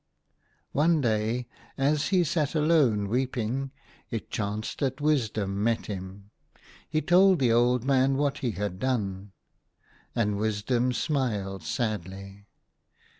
One day, as he sat alone weeping, it chanced that Wisdom met him. He told the old man what he had done. And Wisdom smiled sadly.